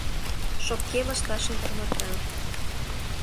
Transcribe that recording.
Шопке лышташым тарвата.